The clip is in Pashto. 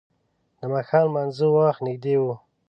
د ماښام لمانځه وخت نږدې و.